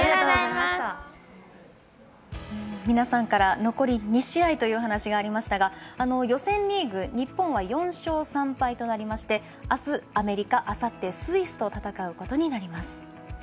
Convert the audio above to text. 皆さんから残り２試合というお話がありましたが予選リーグ、日本は４勝３敗となりましてあす、アメリカあさって、スイスと戦うことになります。